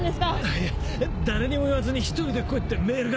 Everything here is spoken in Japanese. いや「誰にも言わずに１人で来い」ってメールが。